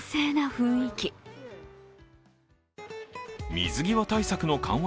水際対策の緩和